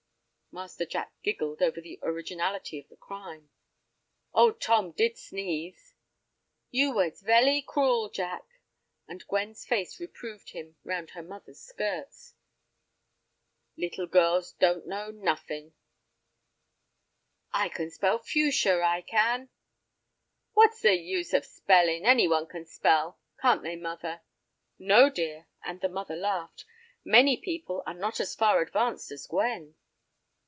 Master Jack giggled over the originality of the crime. "Old Tom did sneeze!" "You was velly cruel, Jack," and Gwen's face reproved him round her mother's skirts. "Little girls don't know nuffin." "I can spell 'fuchsia,' I can." "What's the use of spelling! Any one can spell—can't they, mother?" "No, dear," and the mother laughed; "many people are not as far advanced as Gwen."